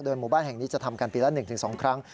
หมู่บ้านแห่งนี้จะทำกันปีละ๑๒ครั้ง